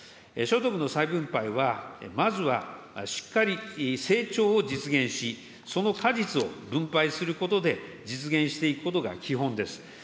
所得の再分配は、まずはしっかり成長を実現し、その果実を分配することで実現していくことが基本です。